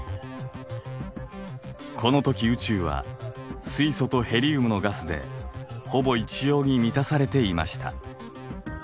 このとき宇宙は水素とヘリウムのガスでほぼ一様に満たされていました。